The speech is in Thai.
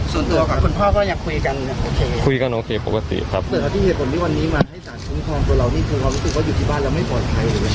ส่วนตัวกับคุณพ่อก็ยังคุยกันยังโอเคคุยกันโอเคปกติครับเหมือนกับที่เหตุผลที่วันนี้มาให้สารคุ้มครองตัวเรานี่คือความรู้สึกว่าอยู่ที่บ้านแล้วไม่ปลอดภัย